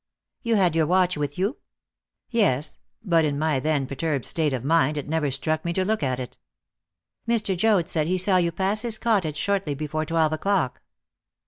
"You had your watch with you?" "Yes; but in my then perturbed state of mind it never struck me to look at it." "Mr. Joad said he saw you pass his cottage shortly before twelve o'clock."